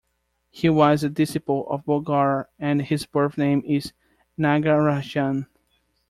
He was a disciple of Bogar and his birth name is Nagarajan.